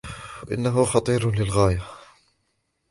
إنه خطير للغاية.